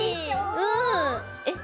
うん。えっ。